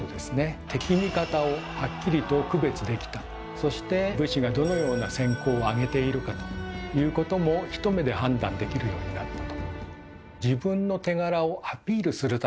そして武士がどのような戦功をあげているかということも一目で判断できるようになったと。